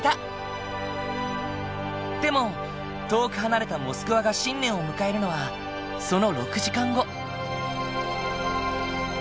でも遠く離れたモスクワが新年を迎えるのはその６時間後。